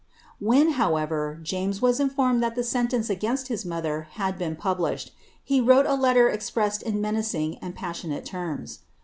When, however, James was inibia that the sentence against his mother had been published, he wrote ali tcr expresBed in menacing and paBsioiiaLe terms.